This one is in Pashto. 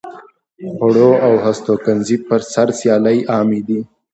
د خوړو او هستوګنځي پر سر سیالۍ عامې دي.